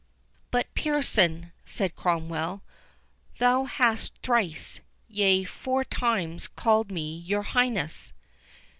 "But, Pearson," said Cromwell, "thou hast thrice, yea, four times, called me your Highness."